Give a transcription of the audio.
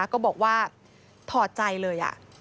ก็บอกว่าถอดใจเลย